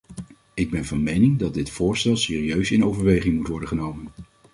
Ik ben van mening dat dit voorstel serieus in overweging moet worden genomen.